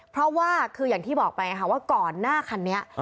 เพราะว่าคืออย่างที่บอกไปค่ะว่าก่อนหน้าคันนี้